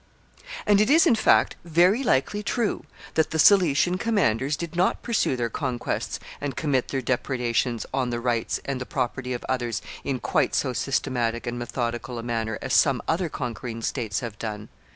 ] And it is, in fact, very likely true that the Cilician commanders did not pursue their conquests and commit their depredations on the rights and the property of others in quite so systematic and methodical a manner as some other conquering states have done.